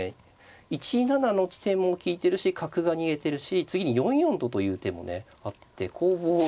１七の地点も利いてるし角が逃げてるし次に４四とという手もねあって攻防になって。